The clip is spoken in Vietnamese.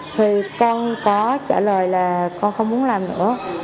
thì con có trả lời là con không muốn làm nữa